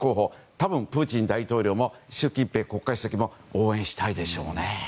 多分、プーチン大統領も習近平国家主席も応援したいでしょうね。